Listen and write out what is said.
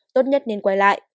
tốt nhất nên quay lại